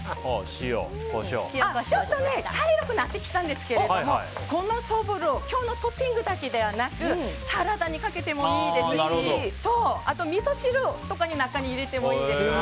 ちょっと茶色くなってきたんですけどこのそぼろ今日のトッピングだけではなくサラダにかけてもいいですしあとみそ汁とかの中に入れてもいいです。